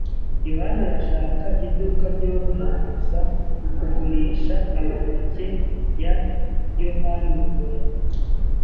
yohani arashaka iduka ryorohereza kugurisha amatike ya yohanibola.